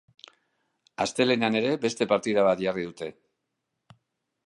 Astelehenean ere beste partida bat jarri dute.